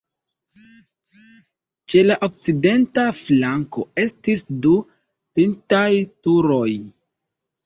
Ĉe la okcidenta flanko estis du pintaj turoj.